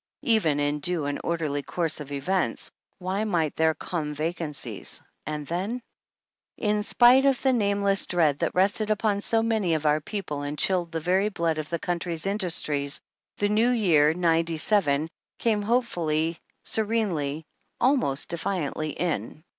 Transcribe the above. Even in due and orderly course of events, why might there not come vacancies and then ?... In spite of the nameless dread that rested upon so many of our people, and chilled the very blood of the country's industries, the new year '97 came hopefully, erenely, almost defiantly in.